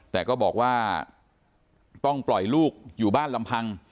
แต่ก็บอกว่าต้องปล่อยลูกอยู่บ้านลำพัง